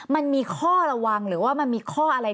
มันมีข้อระวังหรือว่ามันมีข้ออะไร